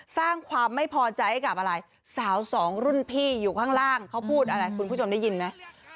สร้างความไม่พอใจให้กับอะไรสาวสองรุ่นพี่อยู่ข้างล่างเขาพูดอะไรคุณผู้ชมได้ยินไหม